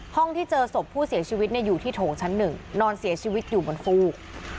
ที่เจอศพผู้เสียชีวิตอยู่ที่โถงชั้นหนึ่งนอนเสียชีวิตอยู่บนฟูก